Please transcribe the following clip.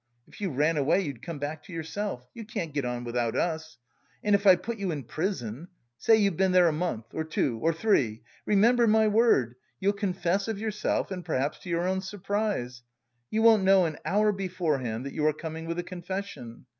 If you ran away, you'd come back to yourself. You can't get on without us. And if I put you in prison say you've been there a month, or two, or three remember my word, you'll confess of yourself and perhaps to your own surprise. You won't know an hour beforehand that you are coming with a confession.